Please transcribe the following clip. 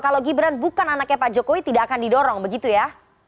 kalau gibran bukan anaknya pak jokowi tidak akan didorong begitu ya